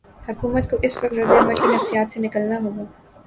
حکومت کو اس وقت رد عمل کی نفسیات سے نکلنا ہو گا۔